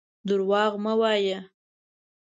درواغ مه وايه.